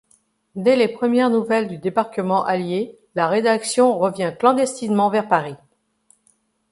Dès les premières nouvelles du débarquement allié, la rédaction revient clandestinement vers Paris.